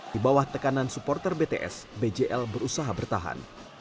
di bawah tekanan supporter bts bjl berusaha bertahan